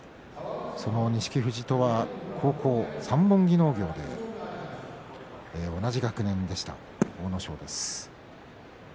その錦富士とは高校、三本木農業で同じ学年でした、阿武咲です。